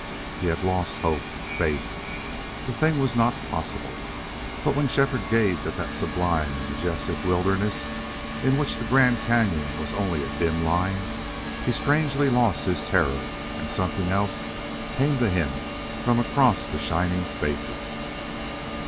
He had lost hope, faith. The thing was not possible. But when Shefford gazed at that sublime and majestic wilderness, in which the Grand Cañon was only a dim line, he strangely lost his terror and something else came to him from across the shining spaces.